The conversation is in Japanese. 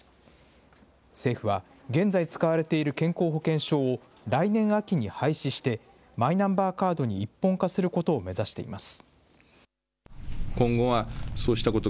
政府は、現在使われている健康保険証を来年秋に廃止して、マイナンバーカードに一本化することを目指しています。